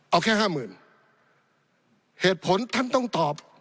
เอาแค่๕๐๐๐๐เหตุผลท่านต้องตอบ